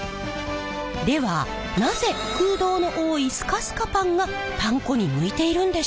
ではなぜ空洞の多いスカスカパンがパン粉に向いているんでしょう？